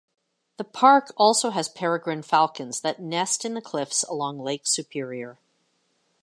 The park also has peregrine falcons that nest in the cliffs along Lake Superior.